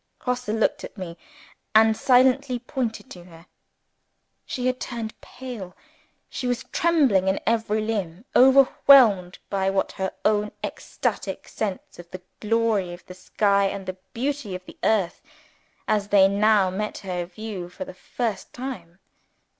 _" Grosse looked at me, and silently pointed to her. She had turned pale she was trembling in every limb, overwhelmed by her own ecstatic sense of the glory of the sky and the beauty of the earth, as they now met her view for the first time.